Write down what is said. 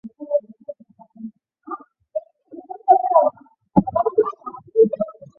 一道金光从枕边飞出，外面便什么声音也没有了，那金光也就飞回来，敛在盒子里。